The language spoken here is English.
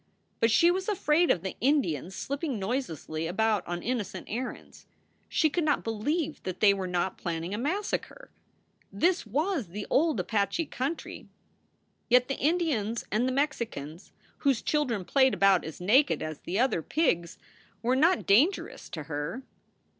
But she was afraid of the Indians slipping noiselessly about on innocent errands. She could not believe that they were not planning a massacre. This was the old Apache country. Yet the Indians and the Mexicans, whose children played about as naked as the other pigs, were not dangerous to her.